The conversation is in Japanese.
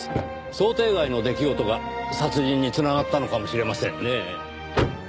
想定外の出来事が殺人に繋がったのかもしれませんね。